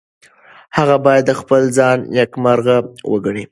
هغه باید خپل ځان نیکمرغه وګڼي.